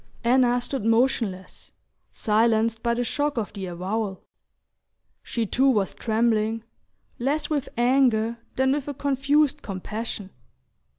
Anna stood motionless, silenced by the shock of the avowal. She too was trembling, less with anger than with a confused compassion.